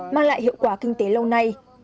mang lại hiệu quả kinh tế lâu nay